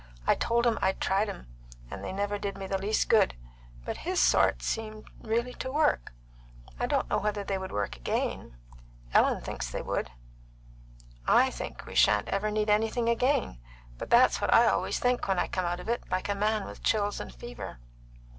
I told him I'd tried 'em, and they never did me the least good; but his sort really seemed to work. I don't know whether they would work again; Ellen thinks they would. I think we sha'n't ever need anything again; but that's what I always think when I come out of it like a man with chills and fever."